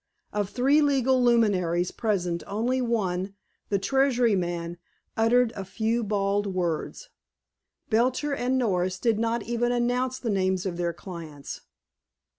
Of three legal luminaries present only one, the Treasury man, uttered a few bald words. Belcher and Norris did not even announce the names of their clients.